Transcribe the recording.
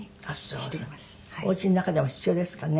お家の中でも必要ですかね。